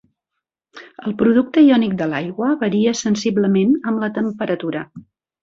El producte iònic de l'aigua varia sensiblement amb la temperatura.